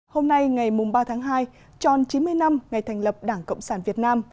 hôm nay ngày ba tháng hai tròn chín mươi năm ngày thành lập đảng cộng sản việt nam